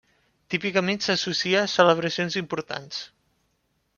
Típicament s'associa a celebracions importants.